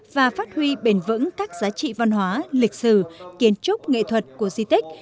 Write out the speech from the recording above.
và phát huy bền vững các giá trị văn hóa lịch sử kiến trúc nghệ thuật của di tích